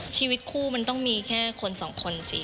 ชีวิตคู่มันต้องมีแค่คนสองคนสิ